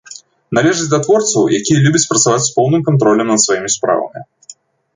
Належыць да творцаў, якія любяць працаваць з поўным кантролем над сваімі справамі.